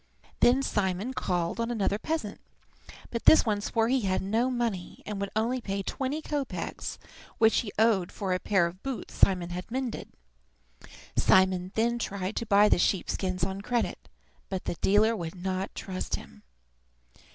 Then Simon called on another peasant, but this one swore he had no money, and would only pay twenty kopeks which he owed for a pair of boots Simon had mended. Simon then tried to buy the sheep skins on credit, but the dealer would not trust him.